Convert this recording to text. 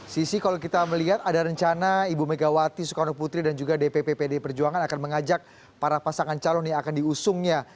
sisi kalau kita melihat ada rencana ibu megawati sukarno putri dan juga dpp pdi perjuangan akan mengajak para pasangan calon yang akan diusungnya